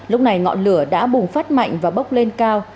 lúc này ngọn lửa đã bùng phát mạnh và bốc lên cao